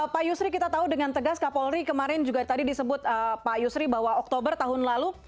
pak yusri kita tahu dengan tegas kapolri kemarin juga tadi disebut pak yusri bahwa oktober tahun lalu